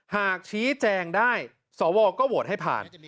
หากชี้แจงได้สวก็โหวตให้ผ่าน